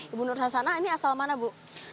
ibu nur hasana ini asal mana bu